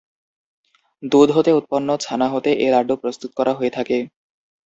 দুধ হতে উৎপন্ন ছানা হতে এ লাড্ডু প্রস্তুত করা হয়ে থাকে।